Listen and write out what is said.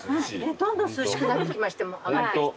どんどん涼しくなってきまして上がってきて。